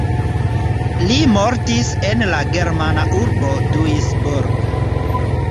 Li mortis en la germana urbo Duisburg.